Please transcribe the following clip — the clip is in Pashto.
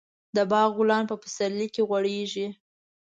د باغ ګلان په پسرلي کې غوړېږي.